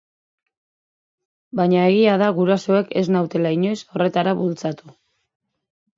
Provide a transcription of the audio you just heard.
Baina egia da gurasoek ez nautela inoiz horretara bultzatu.